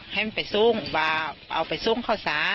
ให้มันไปซุ่งว่าเอาไปซุ่งเข้าซ้า